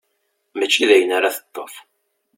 Mačči dayen ara teṭṭef.